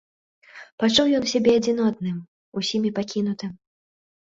Пачуў ён сябе адзінотным, усімі пакінутым.